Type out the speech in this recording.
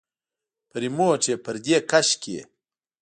په رېموټ يې پردې کش کړې.